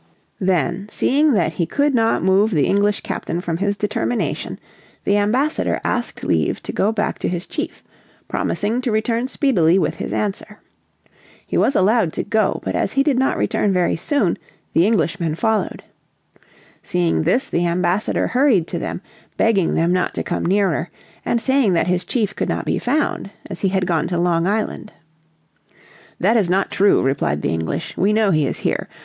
Then, seeing that he could not move the English captain from his determination, the ambassador asked leave to go back to his chief, promising to return speedily with his answer. He was allowed to go; but as he did not return very soon the Englishmen followed. Seeing this, the ambassador hurried to them, begging them not to come nearer, and saying that his chief could not be found, as he had gone to Long Island. "That is not true," replied the English. "We know he is here.